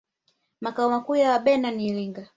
makao makuu ya Wabena ni iringa